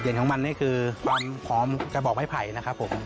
ของมันนี่คือความหอมกระบอกไม้ไผ่นะครับผม